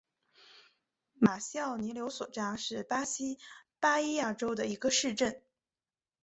马西奥尼柳索扎是巴西巴伊亚州的一个市镇。